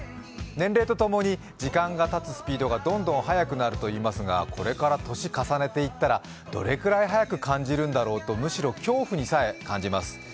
年齢とともに時間がたつスピードがどんどん速くなるといいますがこれから年重ねていったらどれぐらい早く感じるんだろうとむしろ恐怖にさえ感じます。